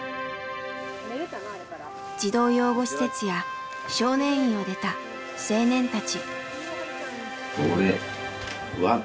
児童養護施設や少年院を出た青年たち。